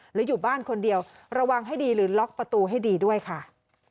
หรืออยู่บ้านคนเดียวระวังให้ดีหรือล็อกประตูให้ดีด้วยค่ะ